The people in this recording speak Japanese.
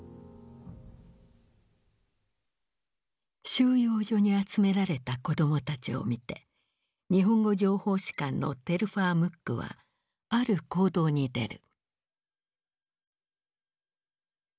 収容所に集められた子供たちを見て日本語情報士官のテルファー・ムックはある行動に出る。